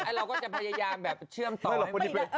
เอาง่ายจบ